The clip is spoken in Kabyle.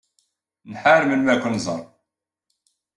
Nḥar melmi ara ken-nẓer.